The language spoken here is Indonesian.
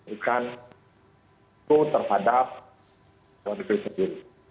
itu terhadap prosedur